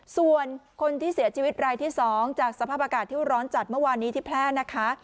ส่วนคนที่เสียชีวิตรายที่๒จากสภาพอากาศที่ร้อนจัดเมื่อวานนี้ที่แพร่นะคะ